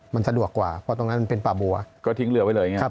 มันสะดวกกว่าเพราะตรงนั้นมันเป็นป่าบัวก็ทิ้งเรือไว้เลยอย่างนี้